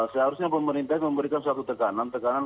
seharusnya pemerintah memberikan suatu tekanan tekanan